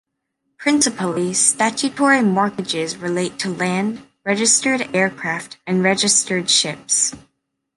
Principally, statutory mortgages relate to land, registered aircraft and registered ships.